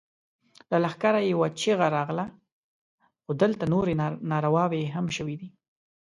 له لښکره يوه چيغه راغله! خو دلته نورې نارواوې هم شوې دي.